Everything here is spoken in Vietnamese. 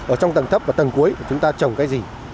ở trong tầng thấp và tầng cuối của chúng ta trồng cái gì